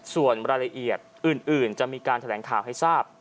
ส่วนรายละเอียดอื่นจะมีการแถลงข่าวให้ทราบ